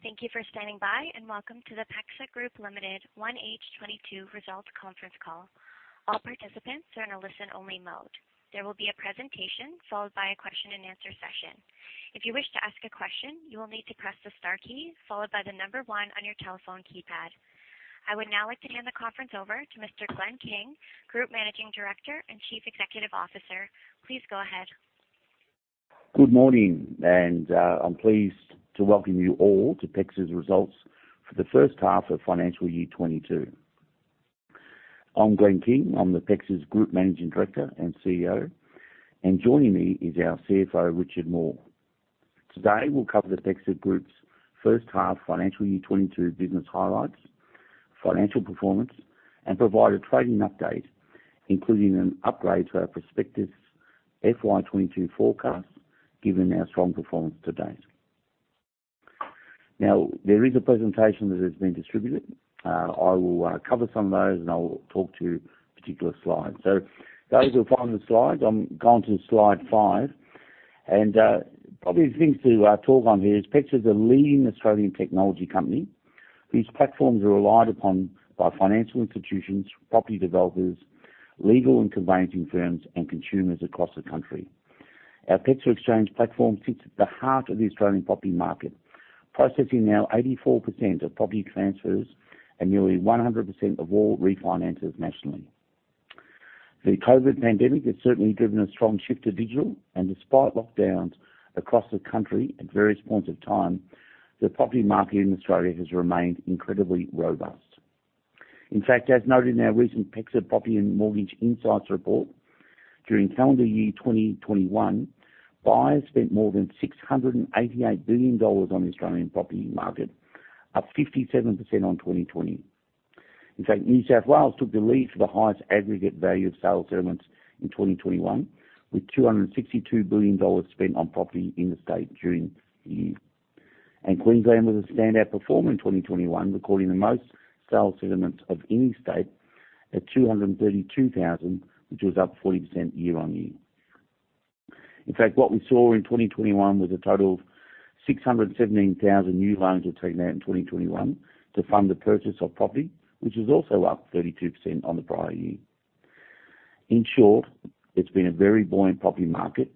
Thank you for standing by, and welcome to the PEXA Group Limited 1H 2022 Result Conference Call. All participants are in a listen-only mode. There will be a presentation followed by a question-and-answer session. If you wish to ask a question, you will need to press the star key followed by the number one on your telephone keypad. I would now like to hand the conference over to Mr. Glenn King, Group Managing Director and Chief Executive Officer. Please go ahead. Good morning, and I'm pleased to welcome you all to PEXA's results for the first half of financial year 2022. I'm Glenn King. I'm the PEXA Group Managing Director and CEO, and joining me is our CFO, Richard Moore. Today, we'll cover the PEXA Group's first half financial year 2022 business highlights, financial performance, and provide a trading update, including an upgrade to our prospectus FY 2022 forecast, given our strong performance to date. Now, there is a presentation that has been distributed. I will cover some of those, and I'll talk to particular slides. Those who are following the slides, go on to Slide 5. Obvious things to talk on here is PEXA is a leading Australian technology company whose platforms are relied upon by financial institutions, property developers, legal and conveyancing firms, and consumers across the country. Our PEXA Exchange platform sits at the heart of the Australian property market, processing now 84% of property transfers and nearly 100% of all refinances nationally. The COVID-19 pandemic has certainly driven a strong shift to digital, and despite lockdowns across the country at various points of time, the property market in Australia has remained incredibly robust. In fact, as noted in our recent PEXA Property and Mortgage Insights report, during calendar year 2021, buyers spent more than 688 billion dollars on the Australian property market, up 57% on 2020. In fact, New South Wales took the lead for the highest aggregate value of sale settlements in 2021, with 262 billion dollars spent on property in the state during the year. Queensland was a standout performer in 2021, recording the most sale settlements of any state at 232,000, which was up 40% year-on-year. In fact, what we saw in 2021 was a total of 617,000 new loans were taken out in 2021 to fund the purchase of property, which was also up 32% on the prior year. In short, it's been a very buoyant property market,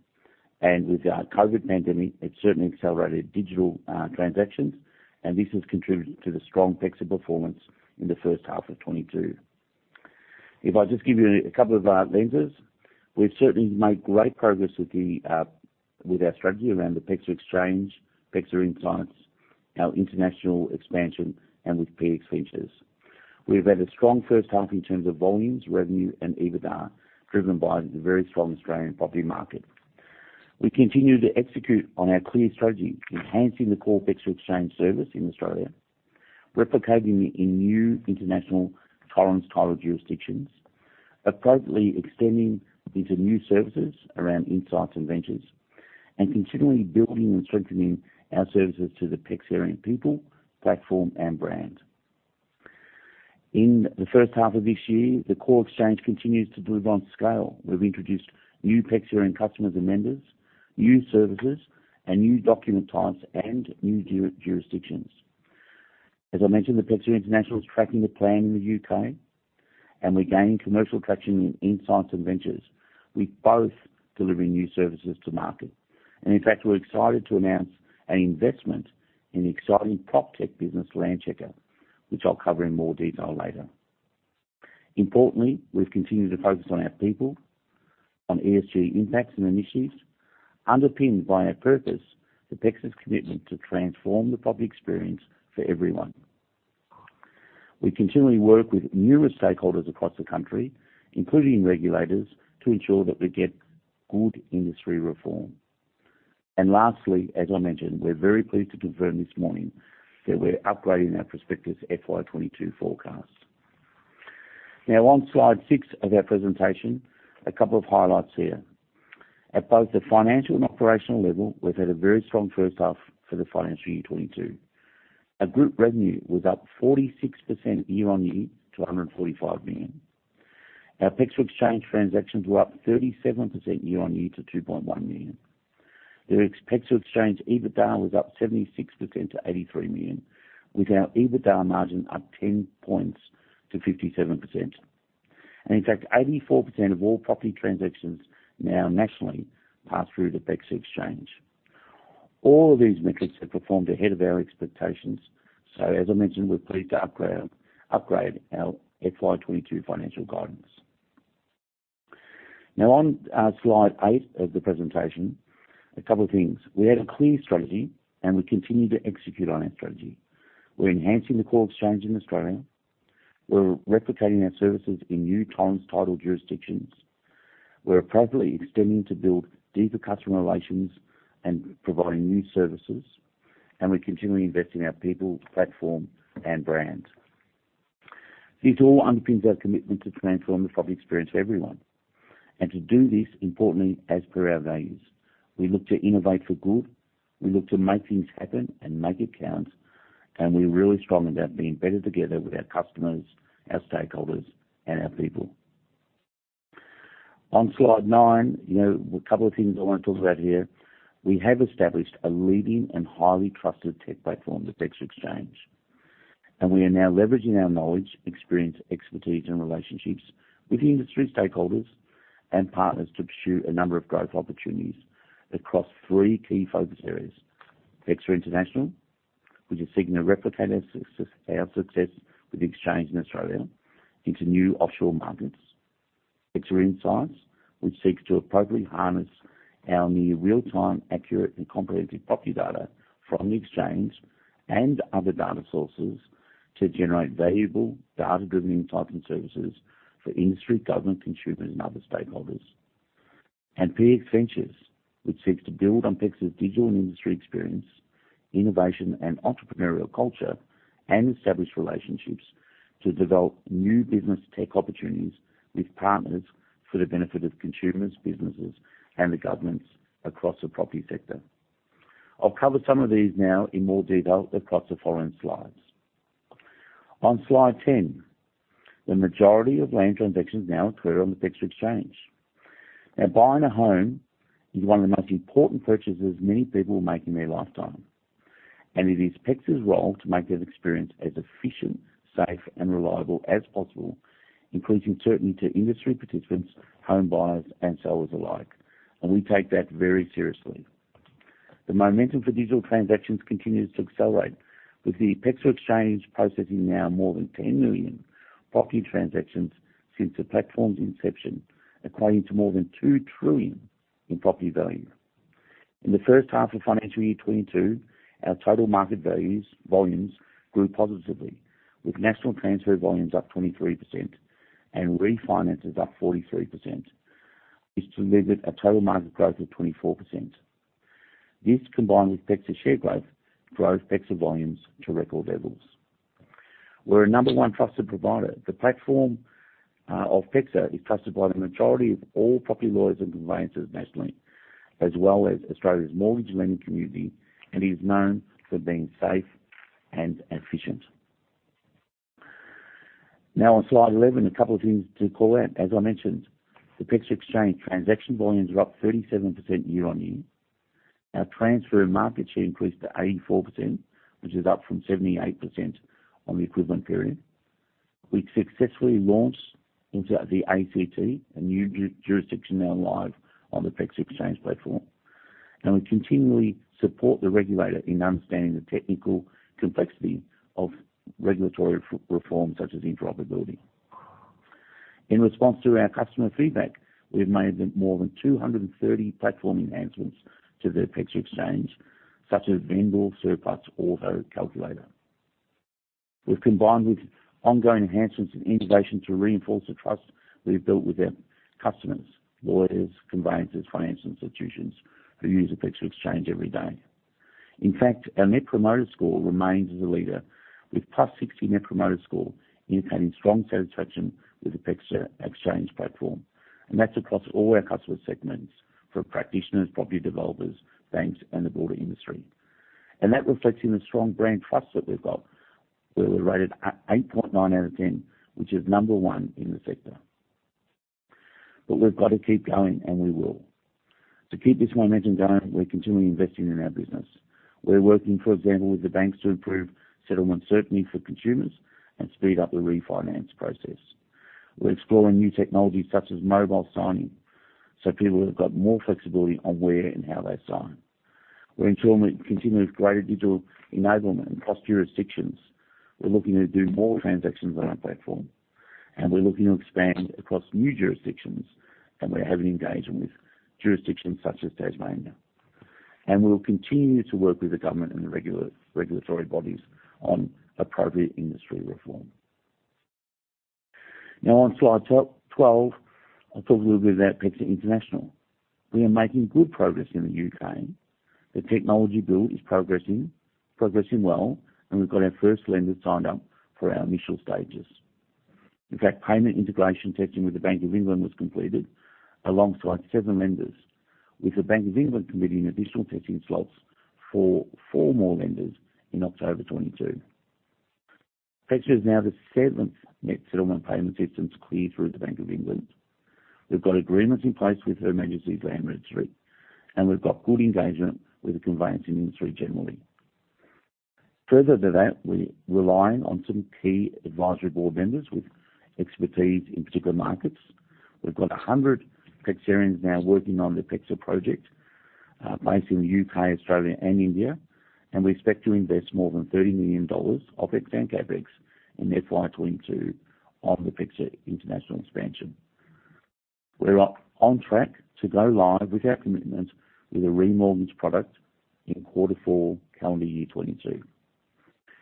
and with the COVID-19 pandemic, it's certainly accelerated digital transactions, and this has contributed to the strong PEXA performance in the first half of 2022. If I just give you a couple of lenses, we've certainly made great progress with our strategy around the PEXA Exchange, PEXA Insights, our international expansion, and with PX Ventures. We've had a strong first half in terms of volumes, revenue, and EBITDA, driven by the very strong Australian property market. We continue to execute on our clear strategy, enhancing the core PEXA Exchange service in Australia, replicating it in new international Torrens title jurisdictions, appropriately extending into new services around insights and ventures, and continually building and strengthening our services to the PEXA people, platform, and brand. In the first half of this year, the core Exchange continues to deliver on scale. We've introduced new PEXA customers and members, new services and new document types and new jurisdictions. As I mentioned, the PEXA International is tracking the plan in the U.K., and we're gaining commercial traction in Insights and Ventures. We're both delivering new services to market. In fact, we're excited to announce an investment in the exciting PropTech business, Landchecker, which I'll cover in more detail later. Importantly, we've continued to focus on our people, on ESG impacts and initiatives, underpinned by our purpose, PEXA's commitment to transform the property experience for everyone. We continually work with numerous stakeholders across the country, including regulators, to ensure that we get good industry reform. Lastly, as I mentioned, we're very pleased to confirm this morning that we're upgrading our prospectus FY 2022 forecast. Now, on Slide 6 of our presentation, a couple of highlights here. At both the financial and operational level, we've had a very strong first half for the financial year 2022. Our group revenue was up 46% year-on-year to 145 million. Our PEXA Exchange transactions were up 37% year-on-year to 2.1 million. The PEXA Exchange EBITDA was up 76% to 83 million, with our EBITDA margin up 10 points to 57%. In fact, 84% of all property transactions now nationally pass through the PEXA Exchange. All of these metrics have performed ahead of our expectations. As I mentioned, we're pleased to upgrade our FY 2022 financial guidance. Now, on slide 8 of the presentation, a couple of things. We had a clear strategy, and we continue to execute on our strategy. We're enhancing the core Exchange in Australia. We're replicating our services in new Torrens title jurisdictions. We're appropriately extending to build deeper customer relations and providing new services, and we're continually investing in our people, platform, and brand. This all underpins our commitment to transform the property experience for everyone. To do this, importantly, as per our values, we look to innovate for good. We look to make things happen and make it count. We're really strong about being better together with our customers, our stakeholders, and our people. On Slide 9, you know, a couple of things I want to talk about here. We have established a leading and highly trusted tech platform, the PEXA Exchange, and we are now leveraging our knowledge, experience, expertise, and relationships with industry stakeholders and partners to pursue a number of growth opportunities across three key focus areas. PEXA International, which is seeking to replicate our success with Exchange in Australia into new offshore markets. PEXA Insights, which seeks to appropriately harness our near-real-time accurate and comprehensive property data from Exchange and other data sources to generate valuable data-driven insights and services for industry, government, consumers, and other stakeholders. PX Ventures, which seeks to build on PEXA's digital and industry experience, innovation, and entrepreneurial culture and establish relationships to develop new business tech opportunities with partners for the benefit of consumers, businesses, and the governments across the property sector. I'll cover some of these now in more detail across the following slides. On Slide 10, the majority of land transactions now occur on the PEXA Exchange. Now, buying a home is one of the most important purchases many people make in their lifetime, and it is PEXA's role to make that experience as efficient, safe, and reliable as possible, increasing certainty to industry participants, home buyers, and sellers alike. We take that very seriously. The momentum for digital transactions continues to accelerate with the PEXA Exchange processing now more than 10 million property transactions since the platform's inception, equating to more than 2 trillion in property value. In the first half of financial year 2022, our total market volumes grew positively, with national transfer volumes up 23% and refinances up 43%. This delivered a total market growth of 24%. This, combined with PEXA share growth, drove PEXA volumes to record levels. We're a number-one trusted provider. The platform of PEXA is trusted by the majority of all property lawyers and conveyancers nationally, as well as Australia's mortgage lending community, and is known for being safe and efficient. Now, on Slide 11, a couple of things to call out. As I mentioned, the PEXA Exchange transaction volumes are up 37% year-on-year. Our transfer market share increased to 84%, which is up from 78% on the equivalent period. We successfully launched into the ACT, a new jurisdiction now live on the PEXA Exchange platform, and we continually support the regulator in understanding the technical complexity of regulatory reform such as interoperability. In response to our customer feedback, we've made more than 230 platform enhancements to the PEXA Exchange, such as Vendor Surplus Auto Calculator. We've combined with ongoing enhancements and innovation to reinforce the trust we've built with our customers, lawyers, conveyancers, financial institutions who use the PEXA Exchange every day. In fact, our Net Promoter Score remains as a leader with +60 Net Promoter Score, indicating strong satisfaction with the PEXA Exchange platform. That's across all our customer segments, from practitioners, property developers, banks, and the broader industry. That reflects in the strong brand trust that we've got. We were rated at 8.9 out of 10, which is number one in the sector. We've got to keep going, and we will. To keep this momentum going, we're continually investing in our business. We're working, for example, with the banks to improve settlement certainty for consumers and speed up the refinance process. We're exploring new technologies such as mobile signing so people have got more flexibility on where and how they sign. We're ensuring continuous greater digital enablement across jurisdictions. We're looking to do more transactions on our platform, and we're looking to expand across new jurisdictions, and we're having engagement with jurisdictions such as Tasmania. We'll continue to work with the government and the regulatory bodies on appropriate industry reform. Now on Slide 12, I'll talk a little bit about PEXA International. We are making good progress in the U.K. The technology build is progressing well, and we've got our first lender signed up for our initial stages. In fact, payment integration testing with the Bank of England was completed alongside seven lenders, with the Bank of England committing additional testing slots for four more lenders in October 2022. PEXA is now the seventh net settlement payment systems cleared through the Bank of England. We've got agreements in place with Her Majesty's Land Registry, and we've got good engagement with the conveyancing industry generally. Further to that, we're relying on some key advisory board members with expertise in particular markets. We've got 100 Pexarians now working on the PEXA project, based in the U.K., Australia, and India. We expect to invest more than 30 million dollars of OpEx and CapEx in FY 2022 on the PEXA International expansion. We're on track to go live with our commitment with a remortgage product in Q4 calendar year 2022.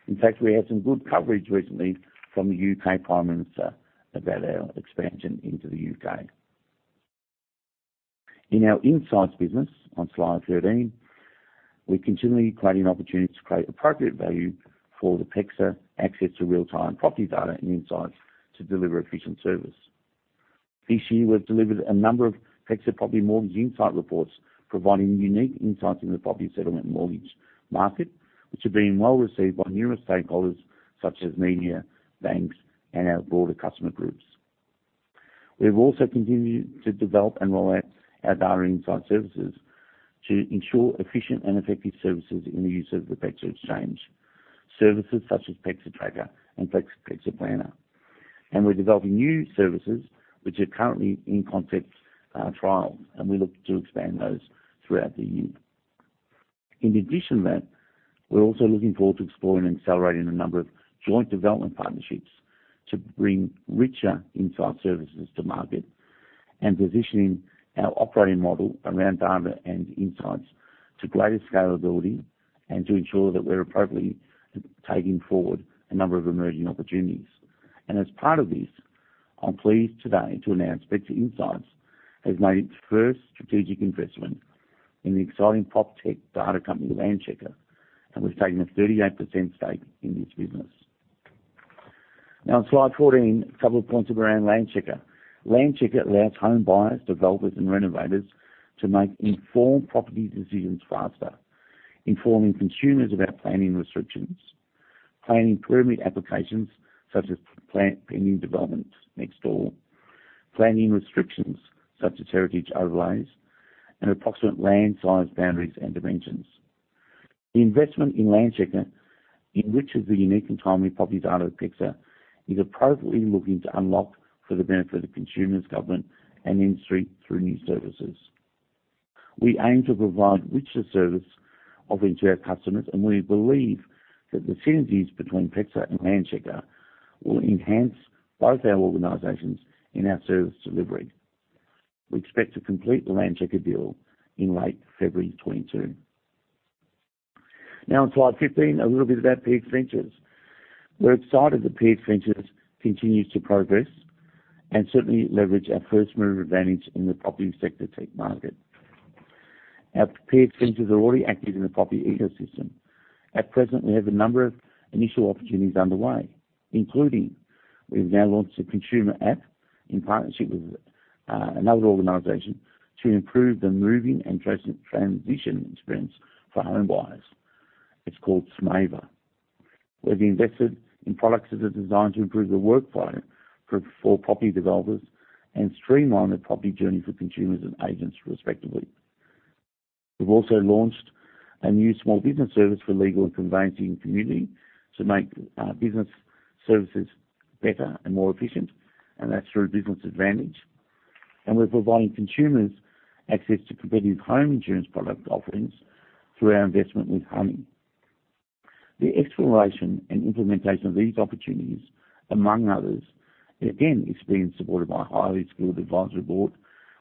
In fact, we had some good coverage recently from the U.K. Prime Minister about our expansion into the U.K. In our Insights business, on Slide 13, we're continually creating opportunities to create appropriate value for the PEXA access to real-time property data and insights to deliver efficient service. This year, we've delivered a number of PEXA Property and Mortgage Insights Reports providing unique insights in the property settlement mortgage market, which have been well received by numerous stakeholders such as media, banks, and our broader customer groups. We've also continued to develop and roll out our data insight services to ensure efficient and effective services in the use of the PEXA Exchange, services such as PEXA Tracker and PEXA Planner. We're developing new services which are currently in concept, trials, and we look to expand those throughout the year. In addition to that, we're also looking forward to exploring and accelerating a number of joint development partnerships to bring richer insight services to market and positioning our operating model around data and insights to greater scalability and to ensure that we're appropriately taking forward a number of emerging opportunities. As part of this, I'm pleased today to announce PEXA Insights has made its first strategic investment in the exciting PropTech data company, Landchecker, and we've taken a 38% stake in this business. Now, on Slide 14, a couple of points around Landchecker. Landchecker allows home buyers, developers, and renovators to make informed property decisions faster, informing consumers about planning restrictions, planning permit applications such as planned pending developments next door, planning restrictions such as heritage overlays, and approximate land size boundaries and dimensions. The investment in Landchecker enriches the unique and timely property data at PEXA, is appropriately looking to unlock for the benefit of consumers, government, and industry through new services. We aim to provide richer service offering to our customers, and we believe that the synergies between PEXA and Landchecker will enhance both our organizations in our service delivery. We expect to complete the Landchecker deal in late February 2022. Now, on Slide 15, a little bit about PX Ventures. We're excited that PX Ventures continues to progress and certainly leverage our first-mover advantage in the property sector tech market. Our PX Ventures are already active in the property ecosystem. At present, we have a number of initial opportunities underway, including we've now launched a consumer app in partnership with another organization to improve the moving and transition experience for home buyers. It's called smoov. We've invested in products that are designed to improve the workflow for property developers and streamline the property journey for consumers and agents, respectively. We've also launched a new small business service for legal and conveyancing community to make business services better and more efficient, and that's through Business Advantage. We're providing consumers access to competitive home insurance product offerings through our investment with Honey. The exploration and implementation of these opportunities, among others, again, is being supported by a highly skilled advisory board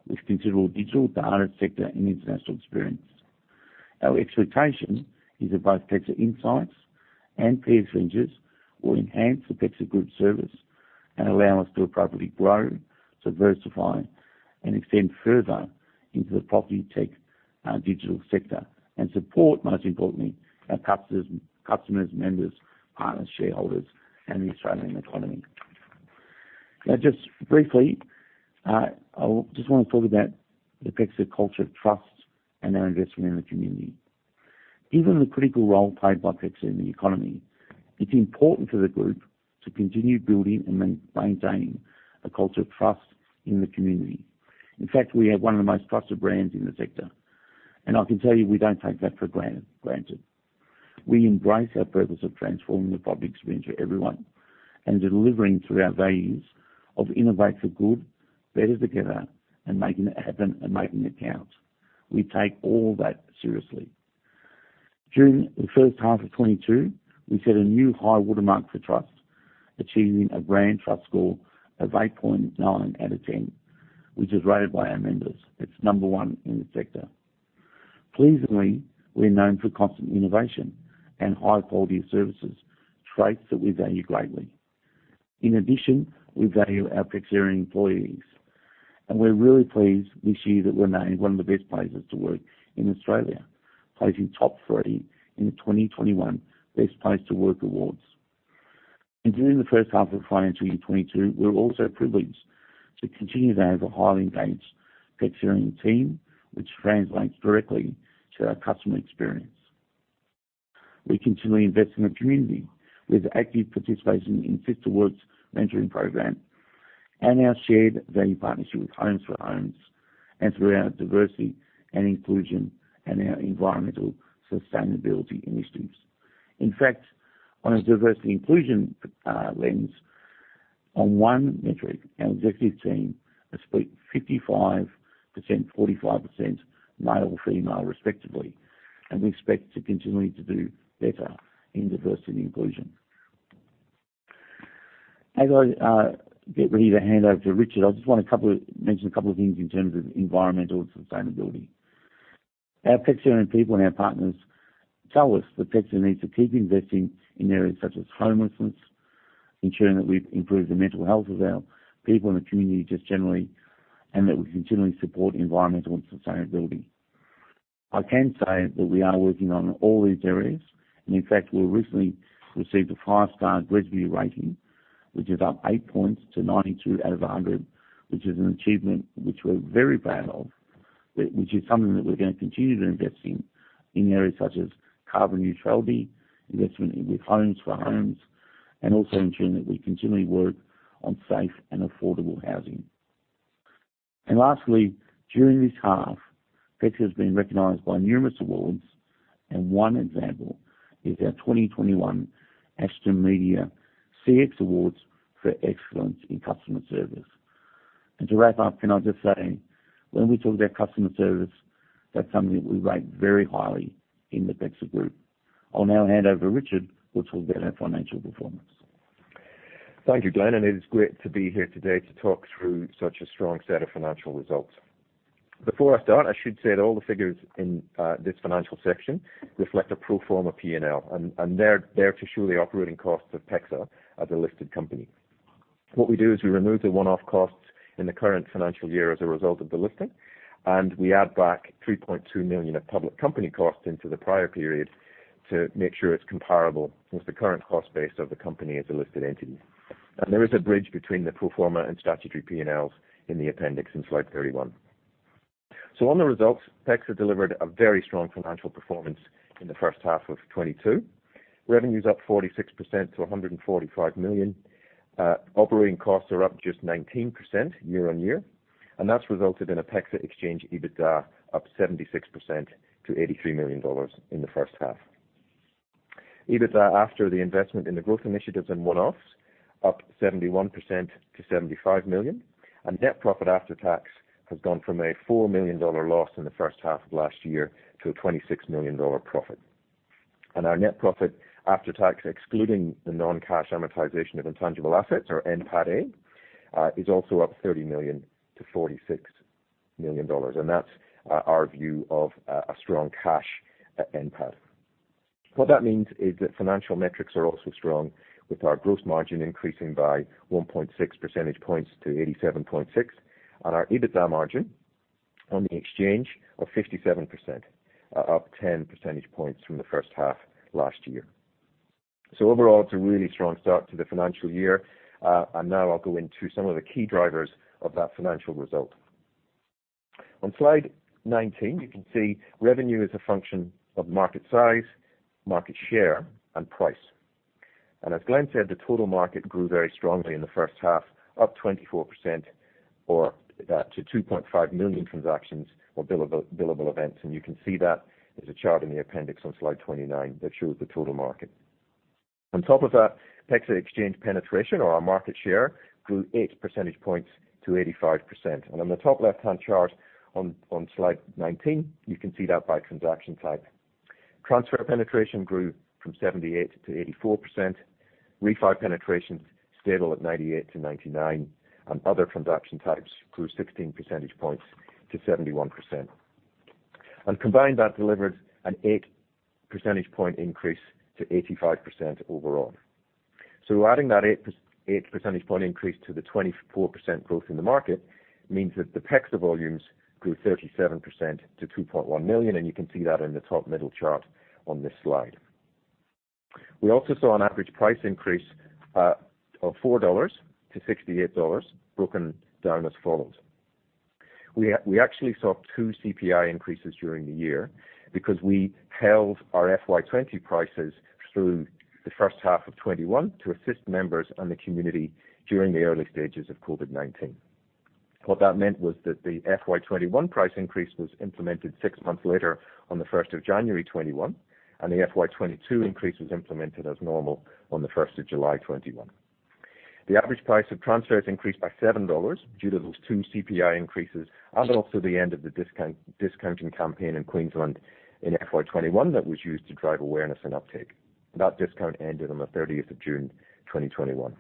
with considerable digital data sector and international experience. Our expectation is that both PEXA Insights and PX Ventures will enhance the PEXA Group service and allow us to appropriately grow, diversify, and extend further into the property tech, digital sector and support, most importantly, our customers, members, partners, shareholders, and the Australian economy. Now, just briefly, I just want to talk about the PEXA culture of trust and our investment in the community. Given the critical role played by PEXA in the economy, it's important for the group to continue building and maintaining a culture of trust in the community. In fact, we have one of the most trusted brands in the sector, and I can tell you, we don't take that for granted. We embrace our purpose of transforming the property experience for everyone and delivering through our values of “Innovate for Good”, “Better Together” and “Make It Happen, Make It Count. We take all that seriously. During the first half of 2022, we set a new high watermark for trust, achieving a brand trust score of 8.9 out of 10, which is rated by our members. It's number one in the sector. Pleasingly, we're known for constant innovation and high-quality services, traits that we value greatly. In addition, we value our PEXA employees, and we're really pleased this year that we're named one of the best places to work in Australia, placing top three in the 2021 Best Places to Work Awards. During the first half of financial year 2022, we were also privileged to continue to have a highly engaged PEXA team, which translates directly to our customer experience. We continue to invest in the community with active participation in Fitzroy Awards mentoring program and our shared value partnership with Homes for Homes and through our diversity and inclusion and our environmental sustainability initiatives. In fact, on a diversity inclusion lens, on one metric, our executive team is split 55%, 45% male, female, respectively, and we expect to continually do better in diversity and inclusion. As I get ready to hand over to Richard, I just want to mention a couple of things in terms of environmental and sustainability. Our PEXA people and our partners tell us that PEXA needs to keep investing in areas such as homelessness, ensuring that we improve the mental health of our people in the community just generally, and that we continually support environmental and sustainability. I can say that we are working on all these areas. In fact, we recently received a five-star GRESB rating, which is up 8 points to 92 out of 100, which is an achievement which we're very proud of. Which is something that we're going to continue to invest in areas such as carbon neutrality, investment with Homes for Homes, and also ensuring that we continually work on safe and affordable housing. Lastly, during this half, PEXA has been recognized by numerous awards, and one example is our 2021 Ashton Media CX Awards for excellence in customer service. To wrap up, can I just say, when we talk about customer service, that's something that we rate very highly in the PEXA Group. I'll now hand over Richard, who will give our financial performance. Thank you, Glenn. It is great to be here today to talk through such a strong set of financial results. Before I start, I should say that all the figures in this financial section reflect a pro forma P&L, and they're there to show the operating costs of PEXA as a listed company. What we do is we remove the one-off costs in the current financial year as a result of the listing, and we add back 3.2 million of public company costs into the prior period to make sure it's comparable with the current cost base of the company as a listed entity. There is a bridge between the pro forma and statutory P&Ls in the appendix in Slide 31. On the results, PEXA delivered a very strong financial performance in the first half of 2022. Revenue's up 46% to 145 million. Operating costs are up just 19% year-on-year, and that's resulted in a PEXA Exchange EBITDA up 76% to 83 million dollars in the first half. EBITDA after the investment in the growth initiatives and one-offs, up 71% to 75 million. Net profit after tax has gone from a 4 million dollar loss in the first half of last year to a 26 million dollar profit. Our net profit after tax, excluding the non-cash amortization of intangible assets or NPATA, is also up 30 million to 46 million dollars. That's our view of a strong cash NPATA. What that means is that financial metrics are also strong, with our gross margin increasing by 1.6 percentage points to 87.6%. Our EBITDA margin on the Exchange of 57%, up 10 percentage points from the first half last year. Overall, it's a really strong start to the financial year. Now I'll go into some of the key drivers of that financial result. On Slide 19, you can see revenue is a function of market size, market share, and price. As Glenn said, the total market grew very strongly in the first half, up 24% or to 2.5 million transactions or billable events. You can see that there's a chart in the appendix on Slide 29 that shows the total market. On top of that PEXA Exchange penetration or our market share grew 8 percentage points to 85%. On the top left-hand chart on Slide 19, you can see that by transaction type. Transfer penetration grew from 78%–84%. Refi penetration stable at 98%-99%, and other transaction types grew 16 percentage points to 71%. Combined that delivered an 8 percentage point increase to 85% overall. Adding that 8 percentage point increase to the 24% growth in the market means that the PEXA volumes grew 37% to 2.1 million, and you can see that in the top middle chart on this slide. We also saw an average price increase of 4 dollars to 68 dollars broken down as follows. We actually saw two CPI increases during the year because we held our FY 2020 prices through the first half of 2021 to assist members and the community during the early stages of COVID-19. What that meant was that the FY 2021 price increase was implemented six months later on January 1, 2021, and the FY 2022 increase was implemented as normal on July 1, 2021. The average price of transfers increased by 7 dollars due to those two CPI increases and also the end of the discount, discounting campaign in Queensland in FY 2021 that was used to drive awareness and uptake. That discount ended on June 30, 2021.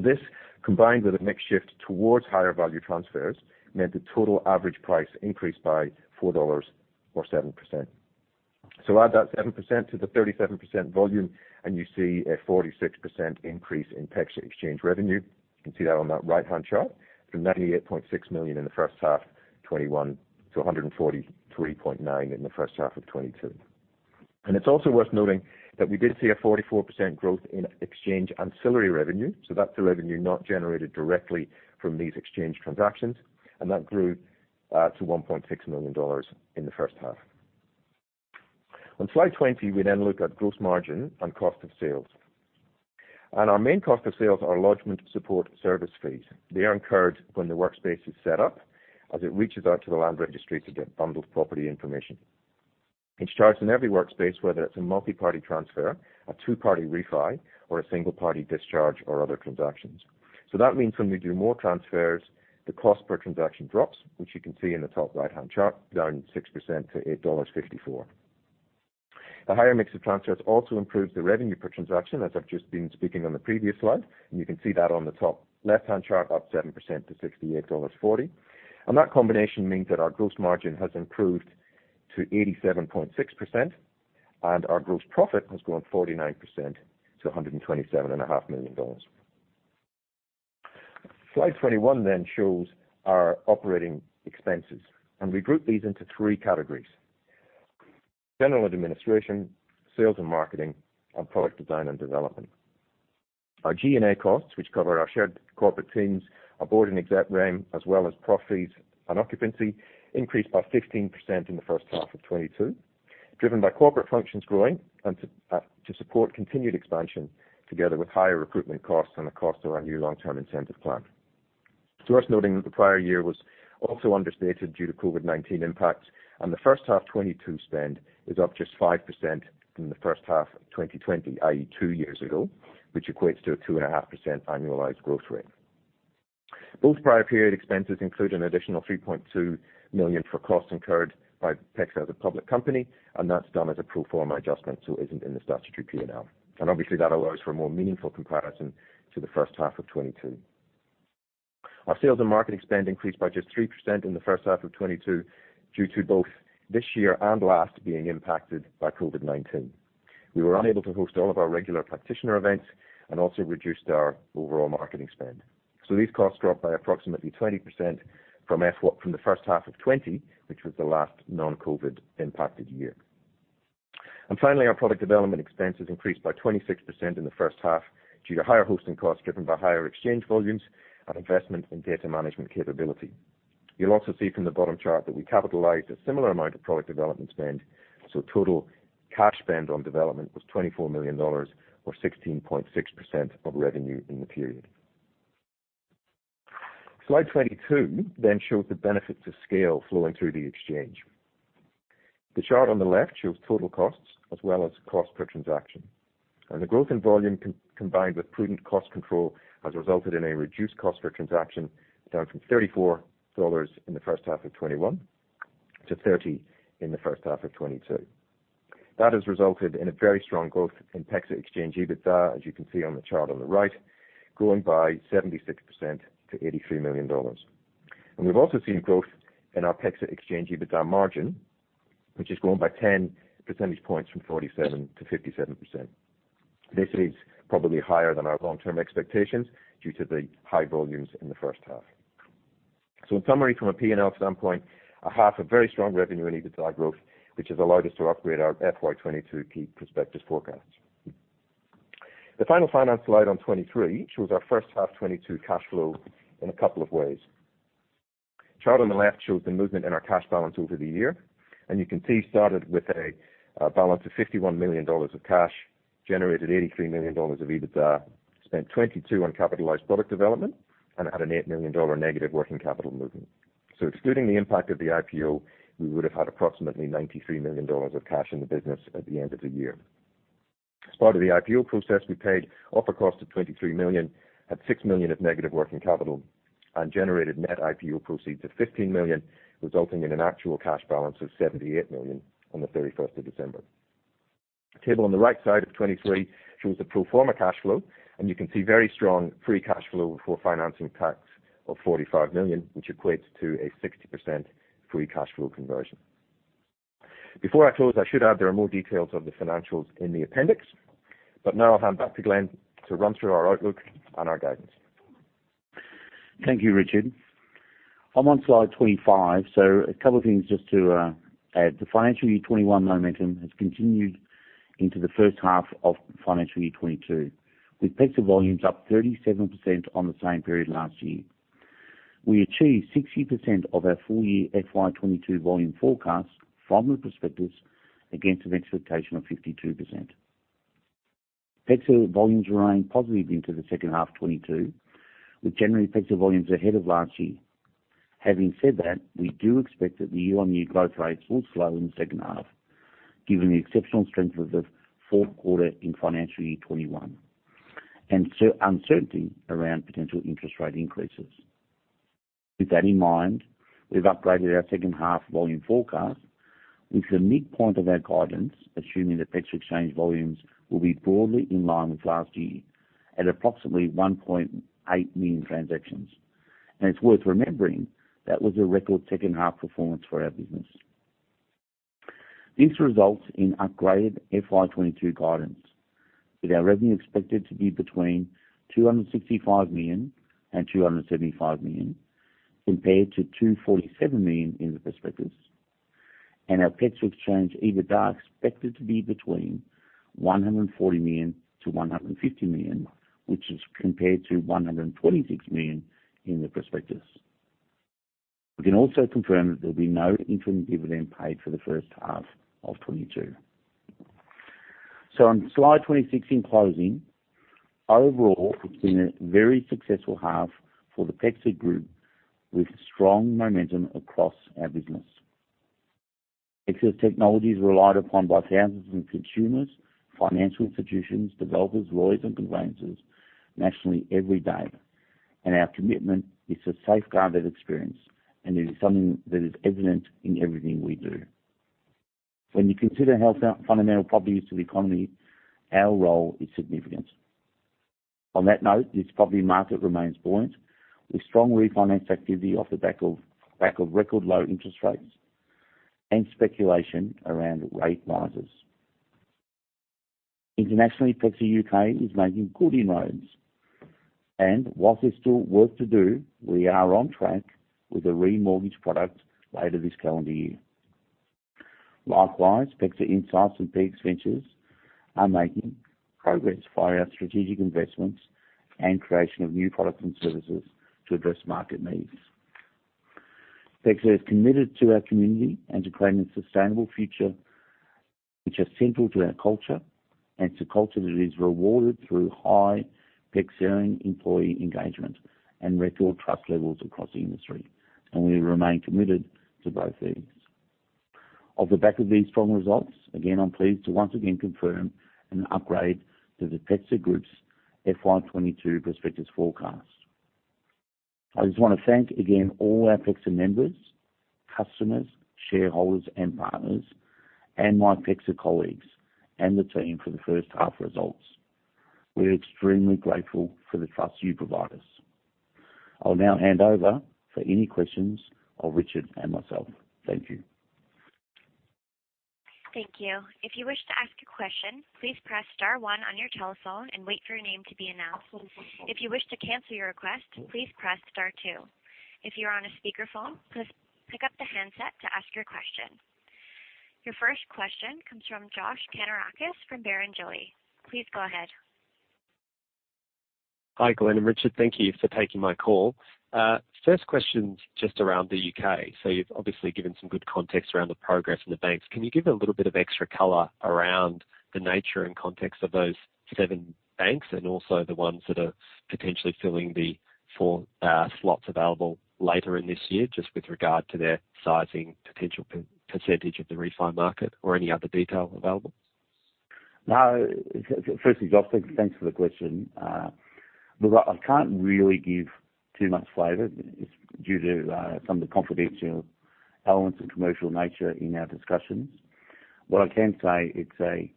This, combined with a mix shift towards higher value transfers, meant the total average price increased by 4 dollars or 7%. Add that 7% to the 37% volume and you see a 46% increase in PEXA Exchange revenue. You can see that on that right-hand chart from 98.6 million in the first half 2021 to 143.9 million in the first half of 2022. It's also worth noting that we did see a 44% growth in Exchange ancillary revenue, so that's the revenue not generated directly from these exchange transactions, and that grew to 1.6 million dollars in the first half. On Slide 20, we then look at gross margin and cost of sales. Our main cost of sales are lodgement support service fees. They are incurred when the workspace is set up, as it reaches out to the Land Registry to get bundled property information. It's charged in every workspace, whether it's a multi-party transfer, a two-party refi, or a single party discharge or other transactions. That means when we do more transfers, the cost per transaction drops, which you can see in the top right-hand chart, down 6% to 8.54 dollars. A higher mix of transfers also improves the revenue per transaction, as I've just been speaking on the previous slide, and you can see that on the top left-hand chart, up 7% to 68.40 dollars. That combination means that our gross margin has improved to 87.6% and our gross profit has grown 49% to 127.5 million dollars. Slide 21 shows our operating expenses, and we group these into three categories, general administration, sales and marketing, and product design and development. Our G&A costs, which cover our shared corporate teams, our board and exec REM, as well as prof fees and occupancy, increased by 15% in the first half of 2022, driven by corporate functions growing and to support continued expansion together with higher recruitment costs and the cost of our new long-term incentive plan. It's worth noting that the prior year was also understated due to COVID-19 impacts, and the first half 2022 spend is up just 5% from the first half of 2020, i.e., two years ago, which equates to a 2.5% annualized growth rate. Both prior period expenses include an additional 3.2 million for costs incurred by PEXA as a public company, and that's done as a pro forma adjustment, so isn't in the statutory P&L. Obviously, that allows for a more meaningful comparison to the first half of 2022. Our sales and marketing spend increased by just 3% in the first half of 2022 due to both this year and last being impacted by COVID-19. We were unable to host all of our regular practitioner events and also reduced our overall marketing spend. These costs dropped by approximately 20% from the first half of 2020, which was the last non-COVID-impacted year. Finally, our product development expenses increased by 26% in the first half due to higher hosting costs driven by higher exchange volumes and investment in data management capability. You'll also see from the bottom chart that we capitalized a similar amount of product development spend, so total cash spend on development was 24 million dollars or 16.6% of revenue in the period. Slide 22 shows the benefits of scale flowing through the exchange. The chart on the left shows total costs as well as cost per transaction. The growth in volume combined with prudent cost control has resulted in a reduced cost per transaction, down from 34 dollars in the first half of 2021 to 30 in the first half of 2022. That has resulted in a very strong growth in PEXA Exchange EBITDA, as you can see on the chart on the right, growing by 76% to 83 million dollars. We've also seen growth in our PEXA Exchange EBITDA margin, which has grown by 10 percentage points from 47%–57%. This is probably higher than our long-term expectations due to the high volumes in the first half. In summary, from a P&L standpoint, H1, a very strong revenue and EBITDA growth, which has allowed us to upgrade our FY 2022 key prospectus forecast. The final finance slide on 23 shows our first half 2022 cash flow in a couple of ways. Chart on the left shows the movement in our cash balance over the year, and you can see it started with a balance of 51 million dollars of cash, generated 83 million dollars of EBITDA, spent 22 million on capitalized product development, and had an 8 million dollar negative working capital movement. Excluding the impact of the IPO, we would have had approximately 93 million dollars of cash in the business at the end of the year. As part of the IPO process, we paid offer cost of 23 million, had 6 million of negative working capital, and generated net IPO proceeds of 15 million, resulting in an actual cash balance of 78 million on the December 31. The table on the right side of 23 shows the pro forma cash flow, and you can see very strong free cash flow for financing tax of 45 million, which equates to a 60% free cash flow conversion. Before I close, I should add there are more details of the financials in the appendix, but now I'll hand back to Glenn to run through our outlook and our guidance. Thank you, Richard. I'm on Slide 25, so a couple of things just to add. The financial year 2021 momentum has continued into the first half of financial year 2022 with PEXA volumes up 37% on the same period last year. We achieved 60% of our full year FY 2022 volume forecast from the prospectus against an expectation of 52%. PEXA volumes remain positive into the second half of 2022, with January PEXA volumes ahead of last year. Having said that, we do expect that the year-on-year growth rates will slow in the second half, given the exceptional strength of the fourth quarter in financial year 2021 and uncertainty around potential interest rate increases. With that in mind, we've upgraded our second-half volume forecast, with the midpoint of our guidance, assuming that PEXA Exchange volumes will be broadly in line with last year at approximately 1.8 million transactions. It's worth remembering that was a record second half performance for our business. This results in upgraded FY 2022 guidance, with our revenue expected to be between 265 million and 275 million compared to 247 million in the prospectus. Our PEXA Exchange EBITDA expected to be between 140 million and 150 million, which is compared to 126 million in the prospectus. We can also confirm that there'll be no interim dividend paid for the first half of 2022. On Slide 26, in closing, overall, it's been a very successful half for the PEXA Group, with strong momentum across our business. PEXA's technology is relied upon by thousands of consumers, financial institutions, developers, lawyers and conveyancers nationally every day, and our commitment is to safeguard that experience, and it is something that is evident in everything we do. When you consider how fundamental property is to the economy, our role is significant. On that note, this property market remains buoyant, with strong refinance activity off the back of record low interest rates and speculation around rate rises. Internationally, PEXA U.K. is making good inroads. While there's still work to do, we are on track with the remortgage product later this calendar year. Likewise, PEXA Insights and PX Ventures are making progress via strategic investments and creation of new products and services to address market needs. PEXA is committed to our community and to creating a sustainable future which are central to our culture and it's a culture that is rewarded through high Pexarian employee engagement and record trust levels across the industry, and we remain committed to both these. Off the back of these strong results, again, I'm pleased to once again confirm an upgrade to the PEXA Group's FY 2022 prospectus forecast. I just want to thank again all our PEXA members, customers, shareholders, and partners, and my PEXA colleagues and the team for the first half results. We're extremely grateful for the trust you provide us. I'll now hand over for any questions of Richard and myself. Thank you. Thank you. If you wish to ask a question, please press star one on your telephone and wait for your name to be announced. If you wish to cancel your request, please press star two. If you're on a speakerphone, please pick up the handset to ask your question. Your first question comes from Josh Kannourakis from Barrenjoey. Please go ahead. Hi, Glenn and Richard. Thank you for taking my call. First question's just around the U.K. You've obviously given some good context around the progress in the banks. Can you give a little bit of extra color around the nature and context of those seven banks and also the ones that are potentially filling the four slots available later in this year, just with regard to their sizing potential percentage of the refi market or any other detail available? No. Firstly, Josh, thanks for the question. Look, I can't really give too much flavor. It's due to some of the confidential elements and commercial nature in our discussions. What I can say, it's a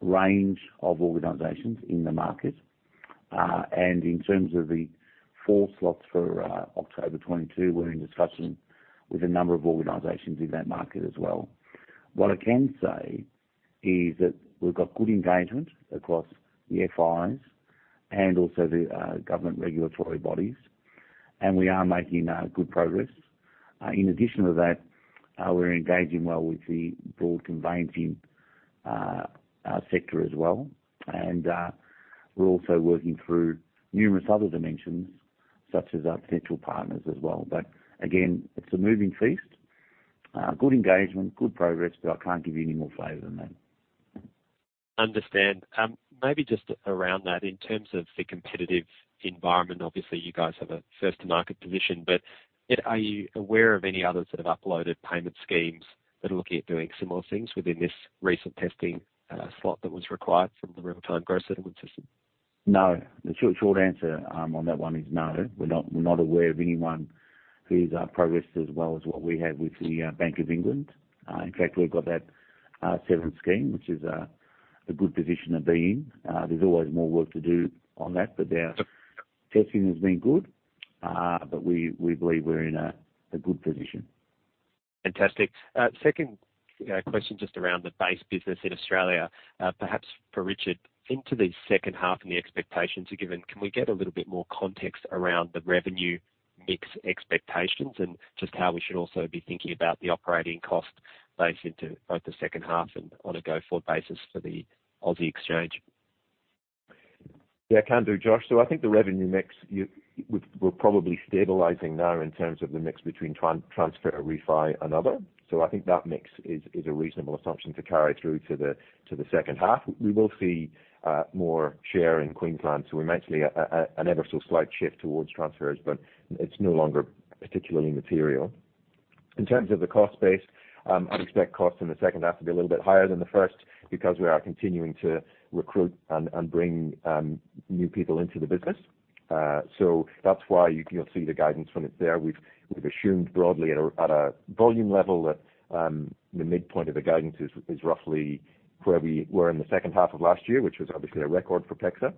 range of organizations in the market. In terms of the four slots for October 2022, we're in discussion with a number of organizations in that market as well. What I can say is that we've got good engagement across the FIs and also the government regulatory bodies, and we are making good progress. In addition to that, we're engaging well with the broad conveyancing sector as well. We're also working through numerous other dimensions, such as our potential partners as well. Again, it's a moving feast. Good engagement, good progress, but I can't give you any more flavor than that. Understand. Maybe just around that, in terms of the competitive environment, obviously you guys have a first-to-market position, but, you know, are you aware of any others that have uploaded payment schemes that are looking at doing similar things within this recent testing slot that was required for the Real-Time Gross Settlement system? No. The short answer on that one is no. We're not aware of anyone who's progressed as well as what we have with the Bank of England. In fact, we've got that 7 scheme, which is a good position to be in. There's always more work to do on that, but our testing has been good. We believe we're in a good position. Fantastic. Second question just around the base business in Australia, perhaps for Richard. Into the second half and the expectations are given, can we get a little bit more context around the revenue mix expectations and just how we should also be thinking about the operating cost base into both the second half and on a go-forward basis for the Aussie Exchange? Yeah, can do, Josh. I think the revenue mix, we're probably stabilizing now in terms of the mix between transfer, refi, and other. I think that mix is a reasonable assumption to carry through to the second half. We will see more share in Queensland, so we may see an ever-so-slight shift towards transfers, but it's no longer particularly material. In terms of the cost base, I'd expect costs in the second half to be a little bit higher than the first because we are continuing to recruit and bring new people into the business. That's why you'll see the guidance when it's there. We've assumed broadly at a volume level that the midpoint of the guidance is roughly where we were in the second half of last year, which was obviously a record for PEXA,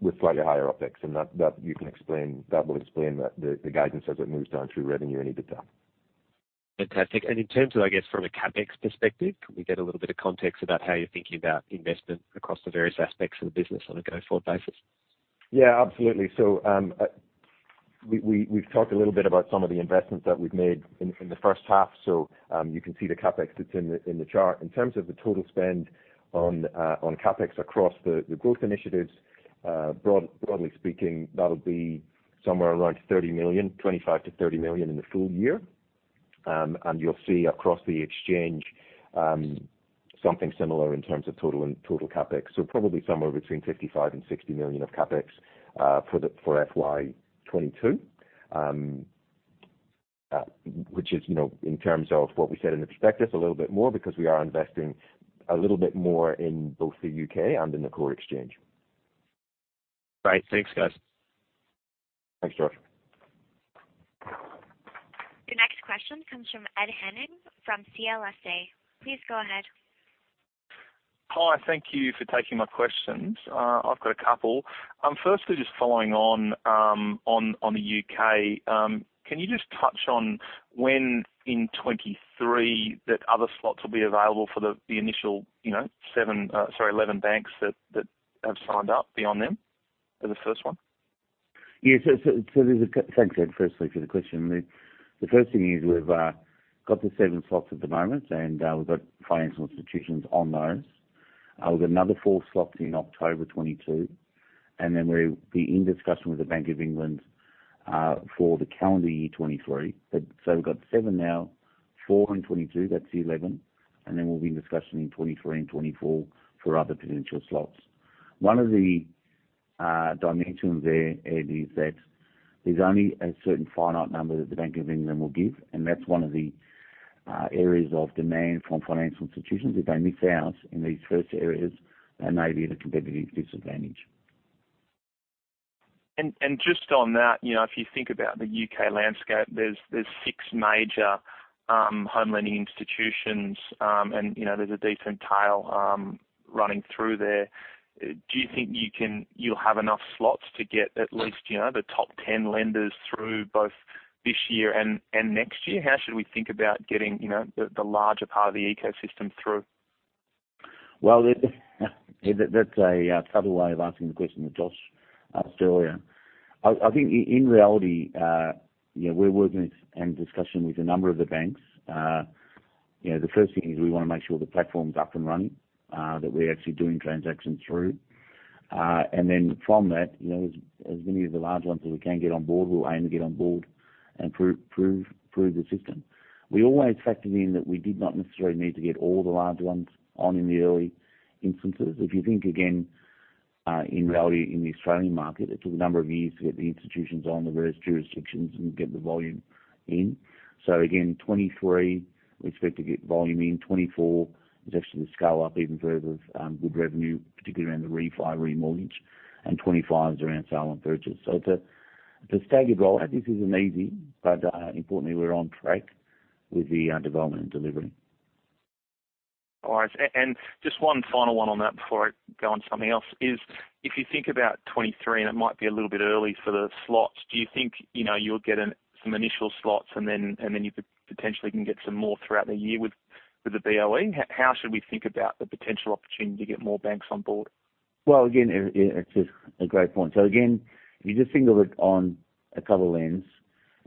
with slightly higher OpEx. That will explain the guidance as it moves down through revenue in a bit though. Fantastic. In terms of, I guess, from a CapEx perspective, can we get a little bit of context about how you're thinking about investment across the various aspects of the business on a go-forward basis? Yeah, absolutely. We've talked a little bit about some of the investments that we've made in the first half. You can see the CapEx that's in the chart. In terms of the total spend on CapEx across the growth initiatives, broadly speaking, that'll be somewhere around 30 million, 25 million–30 million in the full year. You'll see across the exchange, something similar in terms of total CapEx. Probably somewhere between 55 million–60 million of CapEx for FY 2022, which is, you know, in terms of what we said in the prospectus a little bit more because we are investing a little bit more in both the U.K. and in the core Exchange. Great. Thanks, guys. Thanks, Josh. Your next question comes from Ed Henning from CLSA. Please go ahead. Hi, thank you for taking my questions. I've got a couple. Firstly, just following on the U.K., can you just touch on when in 2023 that other slots will be available for the initial, you know, 7, sorry, 11 banks that have signed up beyond them for the first one? Yeah. So there's Thanks, Ed, firstly, for the question. The first thing is we've got the 7 slots at the moment, and we've got another 4 slots in October 2022, and then we'll be in discussion with the Bank of England for the calendar year 2023. We've got 7 now, 4 in 2022, that's 11, and then we'll be in discussion in 2023 and 2024 for other potential slots. One of the dimensions there, Ed, is that there's only a certain finite number that the Bank of England will give, and that's one of the areas of demand from financial institutions. If they miss out in these first areas, they may be at a competitive disadvantage. Just on that, you know, if you think about the U.K. landscape, there's six major home lending institutions, and, you know, there's a decent tail running through there. Do you think you'll have enough slots to get at least, you know, the top 10 lenders through both this year and next year? How should we think about getting, you know, the larger part of the ecosystem through? Well, Ed, that's a clever way of asking the question that Josh asked earlier. I think in reality, you know, we're working and discussing with a number of the banks. You know, the first thing is we want to make sure the platform's up and running, that we're actually doing transactions through. Then from that, you know, as many of the large ones as we can get on board, we'll aim to get on board and prove the system. We always factored in that we did not necessarily need to get all the large ones on in the early instances. If you think again, in reality in the Australian market, it took a number of years to get the institutions on the various jurisdictions and get the volume in. Again, 2023, we expect to get volume in. 2024 is actually to scale up even further with good revenue, particularly around the refi, remortgage. 2025 is around sale and purchase. It's a staggered rollout. This isn't easy, but importantly, we're on track with the development and delivery. All right. And just one final one on that before I go on something else is, if you think about 2023, and it might be a little bit early for the slots, do you think, you know, you'll get some initial slots and then you could potentially can get some more throughout the year with the BoE? How should we think about the potential opportunity to get more banks on board? Well, again, Ed, it's just a great point. Again, if you just think of it on a couple of lenses,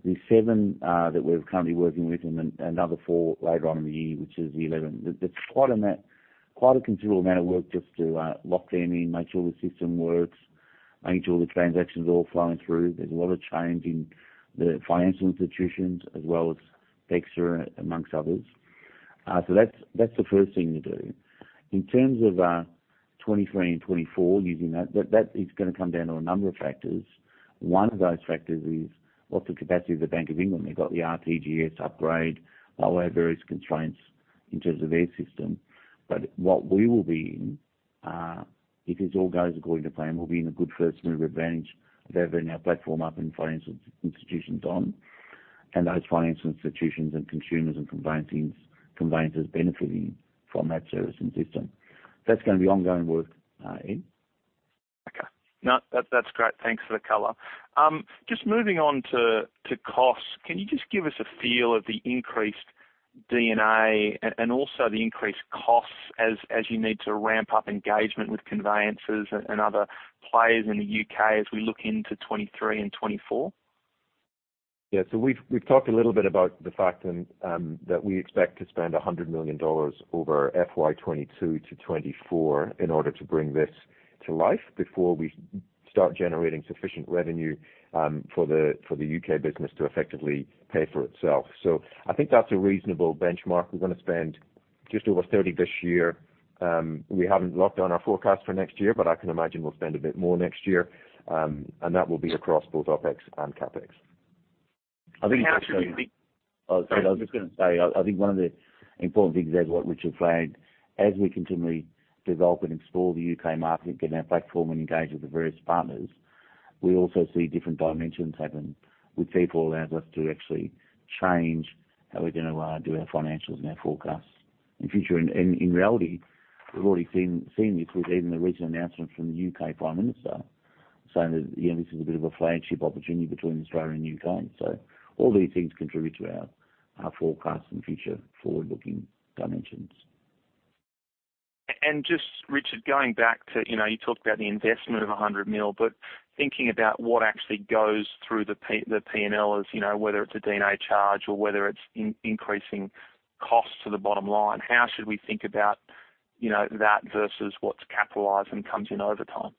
the 7 that we're currently working with and another 4 later on in the year, which is the 11, that's quite a considerable amount of work just to lock them in, make sure the system works, making sure the transaction's all flowing through. There's a lot of change in the financial institutions as well as PEXA amongst others. That's the first thing to do. In terms of 2023 and 2024, using that is going to come down to a number of factors. One of those factors is what's the capacity of the Bank of England? They've got the RTGS upgrade. They'll have various constraints in terms of their system. What we will be in, if this all goes according to plan, we'll be in a good first-mover advantage of having our platform up and financial institutions on, and those financial institutions and consumers and conveyancers benefiting from that service and system. That's going to be ongoing work, Ed. Okay. No, that's great. Thanks for the color. Just moving on to costs. Can you just give us a feel of the increased D&A and also the increased costs as you need to ramp up engagement with conveyancers and other players in the U.K. as we look into 2023 and 2024? Yeah. We've talked a little bit about the fact that we expect to spend 100 million dollars over FY 2022 to 2024 in order to bring this to life before we start generating sufficient revenue for the U.K. business to effectively pay for itself. I think that's a reasonable benchmark. We're going to spend just over 30 million this year. We haven't locked down our forecast for next year, but I can imagine we'll spend a bit more next year. That will be across both OpEx and CapEx. I think. How do you think? Oh, sorry. No, just going to say. I think one of the important things there is what Richard flagged, as we continually develop and explore the U.K. market and get our platform and engage with the various partners, we also see different dimensions happen, which therefore allows us to actually change how we're going to do our financials and our forecasts in future. In reality, we've already seen this with even the recent announcement from the U.K. Prime Minister saying that, you know, this is a bit of a flagship opportunity between Australia and U.K. All these things contribute to our forecast and future forward-looking dimensions. Just Richard, going back to, you know, you talked about the investment of 100 million, but thinking about what actually goes through the P&L as, you know, whether it's a D&A charge or whether it's increasing costs to the bottom line, how should we think about, you know, that versus what's capitalized and comes in over time?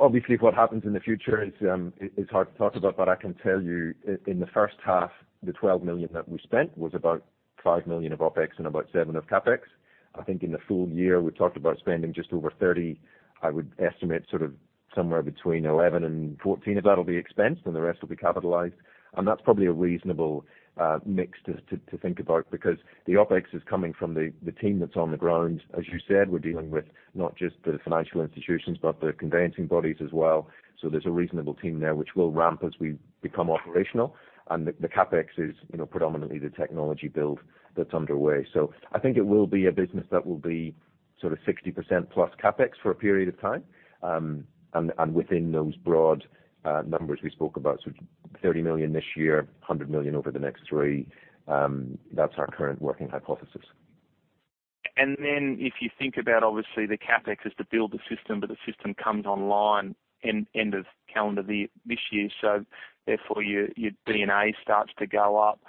Obviously what happens in the future is hard to talk about, but I can tell you in the first half, the 12 million that we spent was about 5 million of OpEx and about 7 million of CapEx. I think in the full year, we talked about spending just over 30 million. I would estimate sort of somewhere between 11 million and 14 million of that'll be expense, and the rest will be capitalized. That's probably a reasonable mix to think about because the OpEx is coming from the team that's on the ground. As you said, we're dealing with not just the financial institutions, but the conveyancing bodies as well. So there's a reasonable team there, which we'll ramp as we become operational. The CapEx is, you know, predominantly the technology build that's underway. I think it will be a business that will be sort of 60% plus CapEx for a period of time. Within those broad numbers we spoke about, 30 million this year, 100 million over the next three, that's our current working hypothesis. If you think about obviously the CapEx is to build the system, but the system comes online in end of calendar this year, so therefore your D&A starts to go up.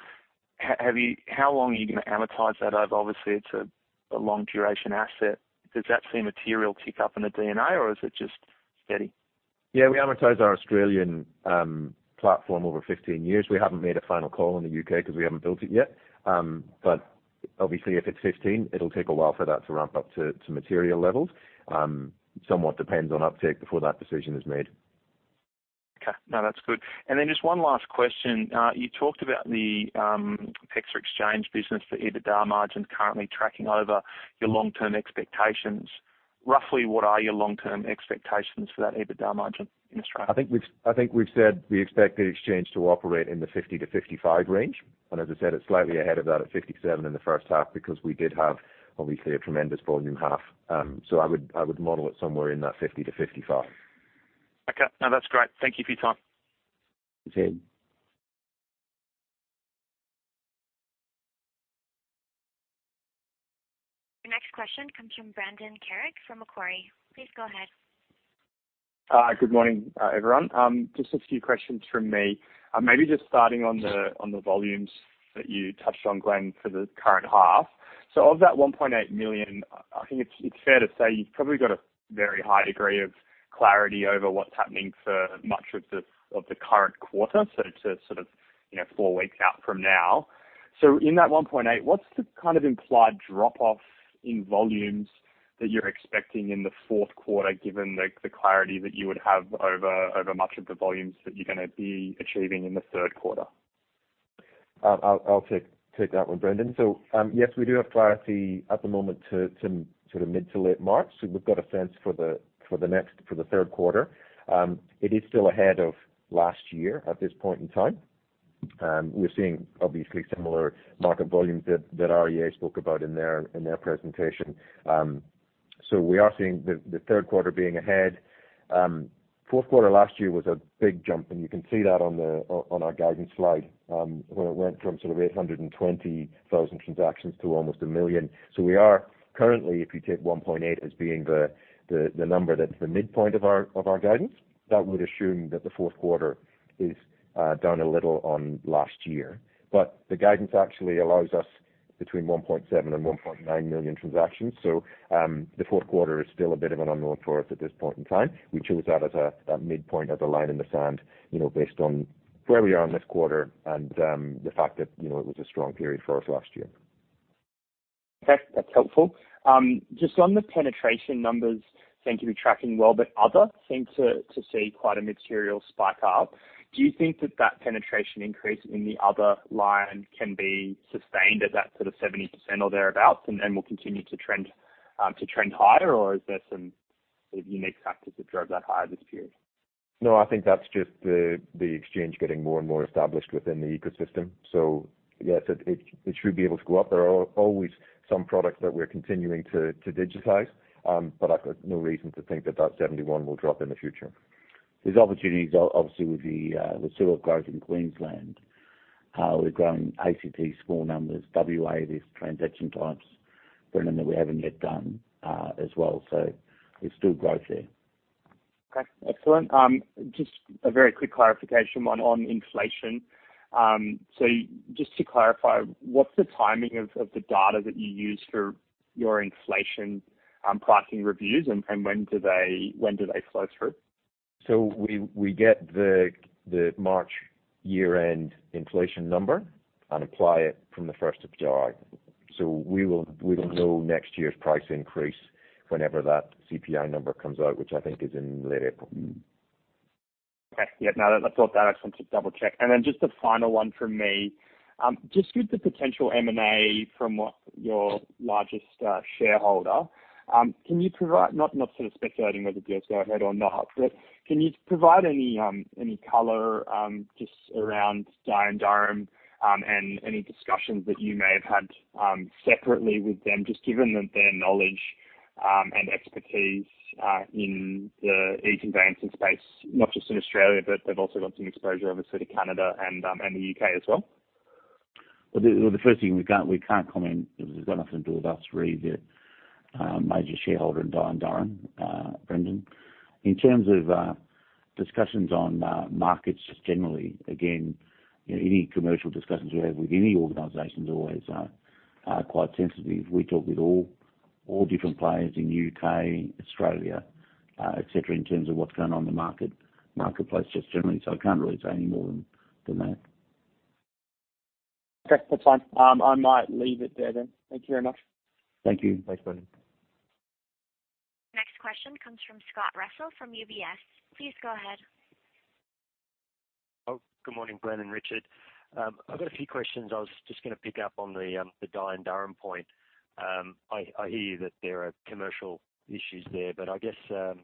How long are you going to amortize that over? Obviously, it's a long duration asset. Does that see a material tick up in the D&A or is it just steady? Yeah, we amortize our Australian platform over 15 years. We haven't made a final call in the U.K. because we haven't built it yet. Obviously if it's 15, it'll take a while for that to ramp up to material levels. Somewhat depends on uptake before that decision is made. Okay. No, that's good. Just one last question. You talked about the PEXA Exchange business for EBITDA margins currently tracking over your long-term expectations. Roughly, what are your long-term expectations for that EBITDA margin in Australia? I think we've said we expect the exchange to operate in the 50-55 range. As I said, it's slightly ahead of that at 57 in the first half because we did have obviously a tremendous volume half. I would model it somewhere in that 50-55. Okay. No, that's great. Thank you for your time. Okay. Your next question comes from Brendan Carrig from Macquarie. Please go ahead. Good morning, everyone. Just a few questions from me. Maybe just starting on the volumes that you touched on, Glenn, for the current half. Of that 1.8 million, I think it's fair to say you've probably got a very high degree of clarity over what's happening for much of the current quarter, so to sort of, you know, four weeks out from now. In that 1.8, what's the kind of implied drop-off in volumes that you're expecting in the fourth quarter, given the clarity that you would have over much of the volumes that you're going to be achieving in the third quarter? I'll take that one, Brendan. Yes, we do have clarity at the moment to sort of mid to late March. We've got a sense for the third quarter. It is still ahead of last year at this point in time. We're seeing obviously similar market volumes that REA spoke about in their presentation. We are seeing the third quarter being ahead. Fourth quarter last year was a big jump, and you can see that on our guidance slide, where it went from sort of 820,000 transactions to almost 1 million. We are currently, if you take 1.8 as being the number that's the midpoint of our guidance, that would assume that the fourth quarter is down a little on last year. The guidance actually allows us between 1.7 and 1.9 million transactions. The fourth quarter is still a bit of an unknown for us at this point in time. We chose that as a midpoint, as a line in the sand, you know, based on where we are in this quarter and the fact that, you know, it was a strong period for us last year. Okay. That's helpful. Just on the penetration numbers seem to be tracking well, but others seem to see quite a material spike up. Do you think that penetration increase in the other line can be sustained at that sort of 70% or thereabout, and will continue to trend higher? Or is there some sort of unique factors that drove that higher this period? No, I think that's just the exchange getting more and more established within the ecosystem. Yes, it should be able to go up. There are always some products that we're continuing to digitize. I've got no reason to think that 71% will drop in the future. There's opportunities obviously with the sector growth in Queensland. We're growing in ACT, small numbers, WA. There's transaction types, Brendan, that we haven't yet done, as well. There's still growth there. Okay, excellent. Just a very quick clarification on inflation. Just to clarify, what's the timing of the data that you use for your inflation pricing reviews, and when do they flow through? We get the March year-end inflation number and apply it from the first of July. We will know next year's price increase whenever that CPI number comes out, which I think is in late April. Okay. Yeah, no, that's all. I just want to double-check. Just a final one from me. Just with the potential M&A from what your largest shareholder, can you provide. Not sort of speculating whether deals go ahead or not, but can you provide any color just around Dye & Durham and any discussions that you may have had separately with them, just given that their knowledge and expertise in the e-conveyancing space, not just in Australia, but they've also got some exposure obviously to Canada and the U.K. as well. The first thing, we can't comment 'cause it's got nothing to do with us regarding their major shareholder in Dye & Durham, Brendan. In terms of discussions on markets just generally, again, you know, any commercial discussions we have with any organization is always quite sensitive. We talk with all different players in U.K., Australia, et cetera, in terms of what's going on in the marketplace just generally. I can't really say any more than that. Okay. That's fine. I might leave it there then. Thank you very much. Thank you. Thanks, Brendan. Next question comes from Scott Russell from UBS. Please go ahead. Oh, good morning, Glenn and Richard. I've got a few questions. I was just going to pick up on the Dye & Durham point. I hear you that there are commercial issues there, but I guess the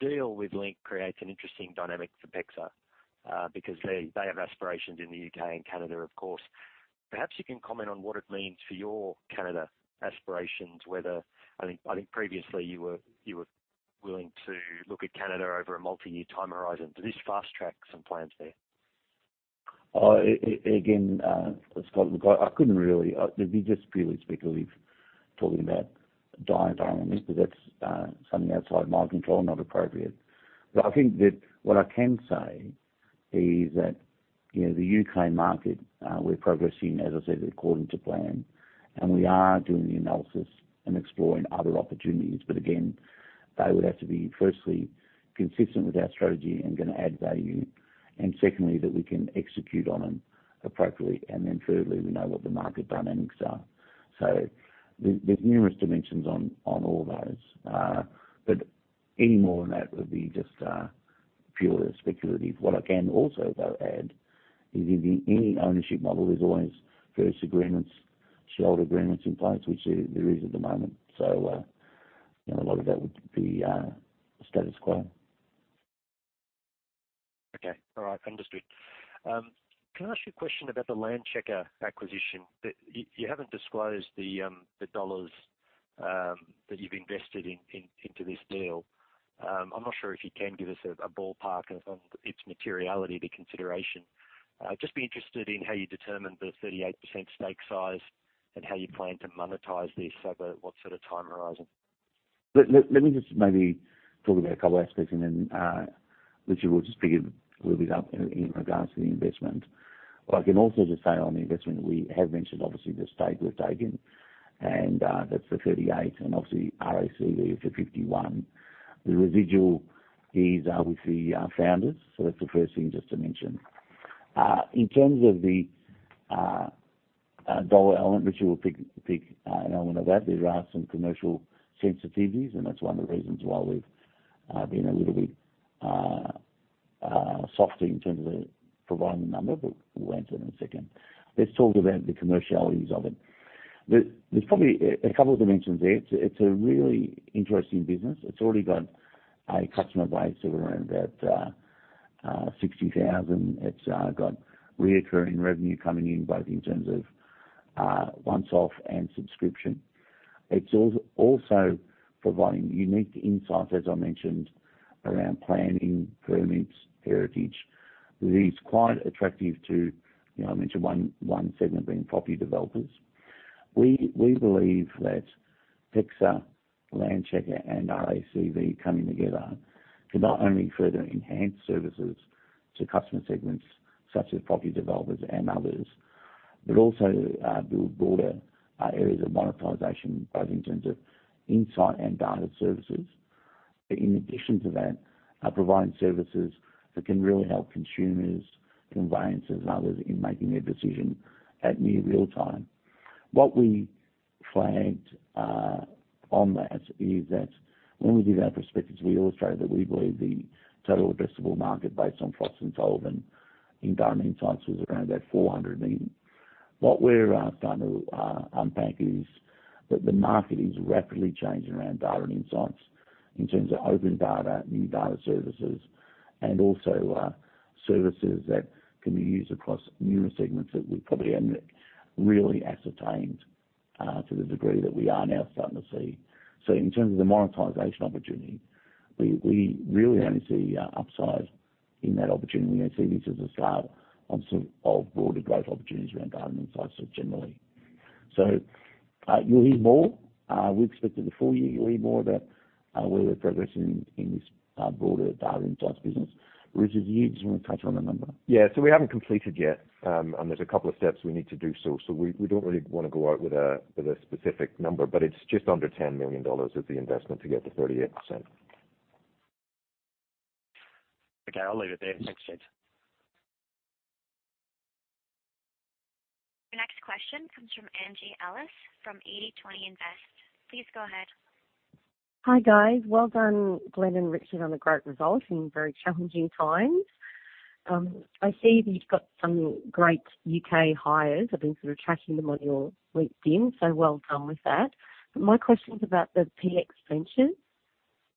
deal with Link creates an interesting dynamic for PEXA, because they have aspirations in the U.K. and Canada, of course. Perhaps you can comment on what it means for your Canada aspirations. I think previously you were willing to look at Canada over a multi-year time horizon. Does this fast-track some plans there? Again, Scott, look, I couldn't really. It'd be just purely speculative talking about dynamics, because that's something outside my control, not appropriate. I think that what I can say is that, you know, the U.K. market, we're progressing, as I said, according to plan, and we are doing the analysis and exploring other opportunities. Again, they would have to be firstly consistent with our strategy and going to add value. Secondly, that we can execute on them appropriately. Thirdly, we know what the market dynamics are. There are numerous dimensions on all those. But any more than that would be just purely speculative. What I can also though add is in any ownership model, there's always service agreements, shareholder agreements in place, which there is at the moment. You know, a lot of that would be status quo. Okay. All right. Understood. Can I ask you a question about the Landchecker acquisition? You haven't disclosed the dollars that you've invested into this deal. I'm not sure if you can give us a ballpark of its materiality, the consideration. Just be interested in how you determined the 38% stake size and how you plan to monetize this. What sort of time horizon? Let me just maybe talk about a couple aspects and then Richard will just pick it a little bit up in regards to the investment. What I can also just say on the investment, we have mentioned obviously the stake we've taken, and that's the 38% and obviously RACV for 51%. The residual is with the founders. That's the first thing just to mention. In terms of the dollar element, Richard will pick an element of that. There are some commercial sensitivities, and that's one of the reasons why we've been a little bit softer in terms of providing the number, but we'll answer in a second. Let's talk about the commercialities of it. There's probably a couple of dimensions there. It's a really interesting business. It's already got a customer base of around about 60,000. It's got recurring revenue coming in, both in terms of one-off and subscription. It's also providing unique insights, as I mentioned, around planning, permits, heritage, that is quite attractive to, you know, I mentioned one segment being property developers. We believe that PEXA, Landchecker and RACV coming together can not only further enhance services to customer segments such as property developers and others, but also build broader areas of monetization, both in terms of insight and data services. In addition to that, providing services that can really help consumers, conveyancers and others in making their decision at near real time. What we flagged on that is that when we give our perspectives, we illustrate that we believe the total addressable market based on Frost & Sullivan in data insights was around 400 million. What we're starting to unpack is that the market is rapidly changing around data and insights in terms of open data, new data services and also services that can be used across numerous segments that we probably hadn't really ascertained to the degree that we are now starting to see. In terms of the monetization opportunity, we really only see upside in that opportunity. We see this as a start of sort of broader growth opportunities around data insights generally. You'll hear more. We expect in the full year, you'll hear more about where we're progressing in this broader data insights business. Richard, you just want to touch on the number? Yeah. We haven't completed yet. There's a couple of steps we need to do so. We don't really want to go out with a specific number, but it's just under 10 million dollars is the investment to get the 38%. Okay, I'll leave it there. Thanks, gents. The next question comes from Angie Ellis from 8020 Invest. Please go ahead.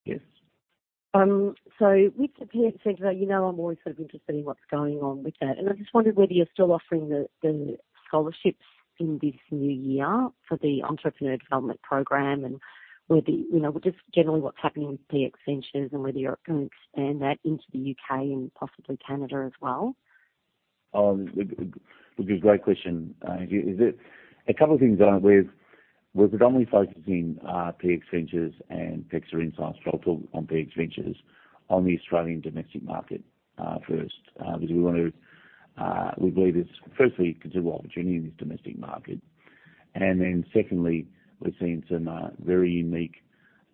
Yes. With the PX Ventures, you know I'm always sort of interested in what's going on with that. I just wondered whether you're still offering the scholarships in this new year for the entrepreneur development program and whether, you know, just generally what's happening with PX Ventures and whether you're going to expand that into the U.K. and possibly Canada as well. Look, it's a great question, Angie. A couple of things. We're predominantly focusing PX Ventures and PEXA Insights. I'll talk on PX Ventures on the Australian domestic market first because we want to we believe it's firstly considerable opportunity in this domestic market. Then secondly, we're seeing some very unique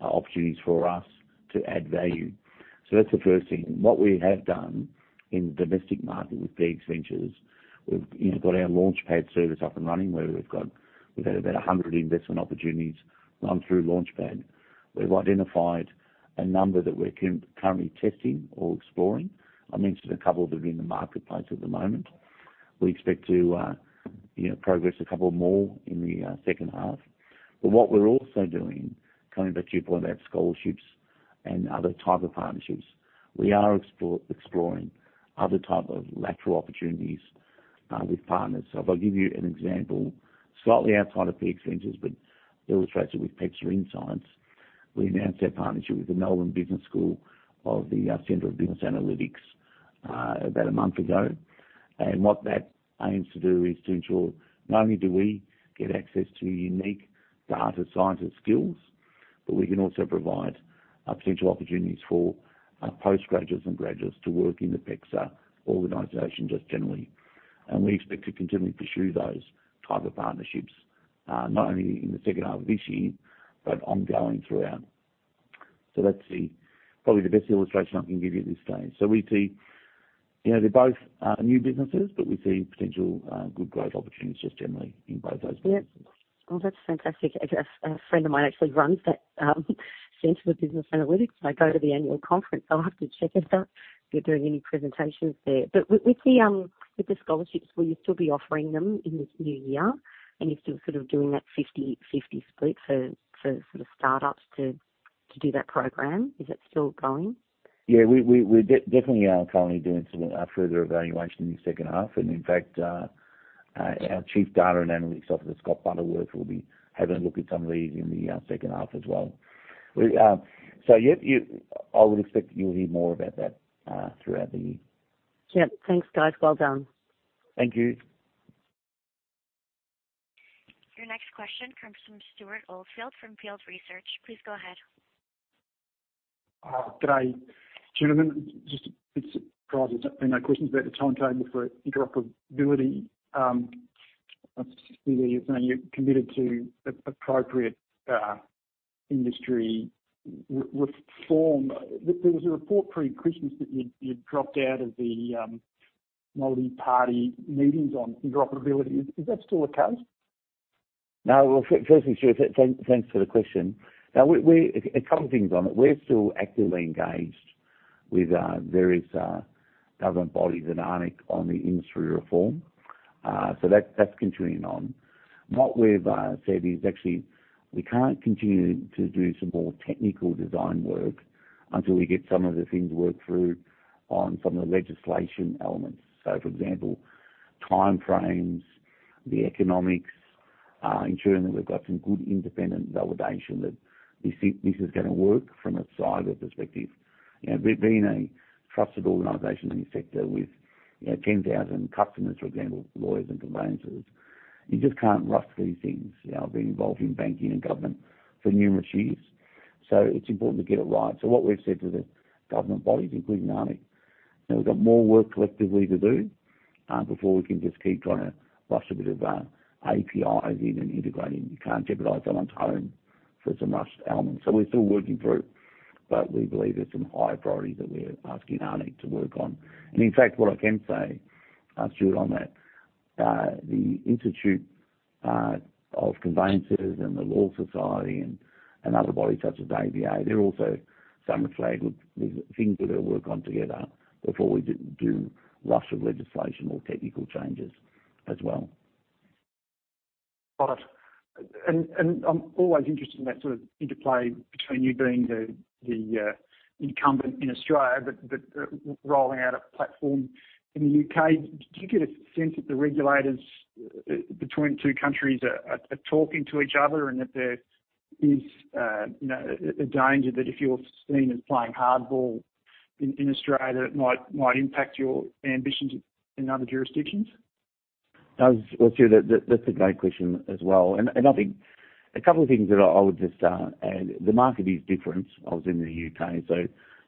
opportunities for us to add value. That's the first thing. What we have done in the domestic market with PX Ventures, we've you know got our Launchpad service up and running where we've got. We've had about 100 investment opportunities run through Launchpad. We've identified a number that we're currently testing or exploring. I mentioned a couple that are in the marketplace at the moment. We expect to you know progress a couple more in the second half. What we're also doing, coming back to your point about scholarships and other type of partnerships, we are exploring other type of lateral opportunities with partners. If I give you an example, slightly outside of PX Ventures, but illustrates it with PEXA Insights. We announced our partnership with the Melbourne Business School's Centre for Business Analytics about a month ago. What that aims to do is to ensure not only do we get access to unique data scientist skills, but we can also provide potential opportunities for postgraduates and graduates to work in the PEXA organization just generally. We expect to continue to pursue those type of partnerships not only in the second half of this year, but ongoing throughout. That's probably the best illustration I can give you at this stage. We see, you know, they're both new businesses, but we see potential good growth opportunities just generally in both those businesses. Yeah. Well, that's fantastic. A friend of mine actually runs that Centre for Business Analytics, and I go to the annual conference, so I'll have to check it out if you're doing any presentations there. With the scholarships, will you still be offering them in this new year? You're still sort of doing that 50-50 split for sort of start-ups to do that program? Is that still going? Yeah. We're definitely currently doing some further evaluation in the second half. In fact, our Chief Data and Analytics Officer, Scott Butterworth, will be having a look at some of these in the second half as well. Yep, I would expect you'll hear more about that throughout the year. Yep. Thanks, guys. Well done. Thank you. Your next question comes from Stewart Oldfield from Field Research. Please go ahead. Good day, gentlemen. Just a bit surprised there's been no questions about the timetable for interoperability. Obviously you're saying you're committed to an appropriate industry reform. There was a report pre-Christmas that you'd dropped out of the multi-party meetings on interoperability. Is that still the case? No. Well, firstly, Stuart, thanks for the question. Now, a couple of things on it. We're still actively engaged with various government bodies and ARNECC on the industry reform. So that's continuing on. What we've said is actually we can't continue to do some more technical design work until we get some of the things worked through on some of the legislation elements. So for example, timeframes, the economics, ensuring that we've got some good independent validation that this is going to work from a cyber perspective. You know, being a trusted organization in this sector with, you know, 10,000 customers, for example, lawyers and conveyancers, you just can't rush these things, you know, being involved in banking and government for numerous years. So it's important to get it right. What we've said to the government bodies, including ARNECC, you know, we've got more work collectively to do before we can just keep trying to rush a bit of APIs in and integrating. You can't jeopardize someone's home for some rushed elements. We're still working through, but we believe there's some higher priorities that we're asking ARNECC to work on. In fact, what I can say, Stuart, on that, the Institute of Conveyancers and the Law Society and other bodies such as ABA, they're also raising some flags with the things that we work on together before we rush legislation or technical changes as well. Got it. I'm always interested in that sort of interplay between you being the incumbent in Australia, but rolling out a platform in the U.K. Do you get a sense that the regulators between the two countries are talking to each other and that there is you know a danger that if you're seen as playing hardball in Australia it might impact your ambitions in other jurisdictions? Well, Stuart, that's a great question as well. I think a couple of things that I would just add. The market is different obviously in the U.K., so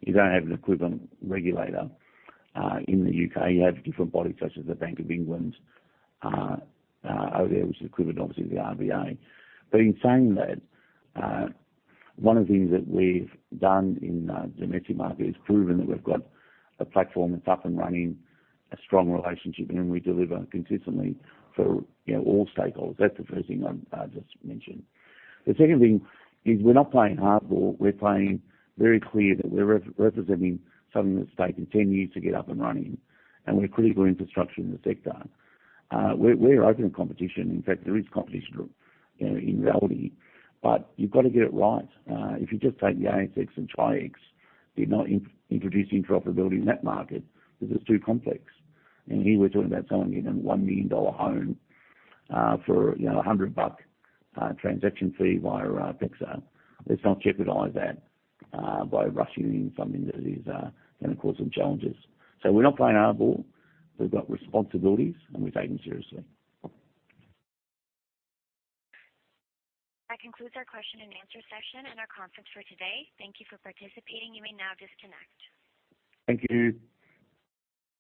you don't have an equivalent regulator in the U.K. You have different bodies such as the Bank of England over there, which is equivalent obviously to the RBA. In saying that, one of the things that we've done in the domestic market is proven that we've got a platform that's up and running, a strong relationship, and we deliver consistently for, you know, all stakeholders. That's the first thing I'd just mention. The second thing is we're not playing hardball. We're playing very clear that we're representing something that's taken 10 years to get up and running, and we're critical infrastructure in the sector. We're open to competition. In fact, there is competition, you know, in reality, but you've got to get it right. If you just take the ASX and Chi-X, did not introduce interoperability in that market because it's too complex. Here we're talking about selling you know, 1 million dollar home, for you know, 100 bucks transaction fee via PEXA. Let's not jeopardize that, by rushing in something that is going to cause some challenges. We're not playing hardball. We've got responsibilities, and we take them seriously. That concludes our question and answer session and our conference for today. Thank you for participating. You may now disconnect. Thank you.